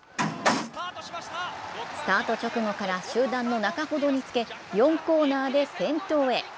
スタート直後から集団の中ほどにつけ、４コーナーで先頭へ。